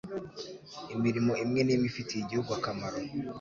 imirimo imwe n'imwe ifitiye igihugu akamaro